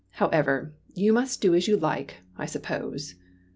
However, you must do as you like, I suppose."